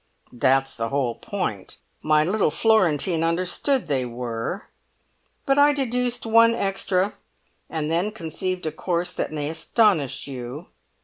"That's the whole point! My little Florentine understood they were, but I deduced one extra, and then conceived a course that may astonish you.